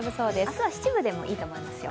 明日は七分でもいいと思いますよ。